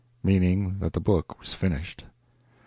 Meaning that the book was finished.